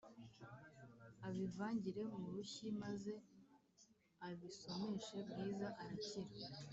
abivangire murushyi maze abisomeshe bwiza arakira.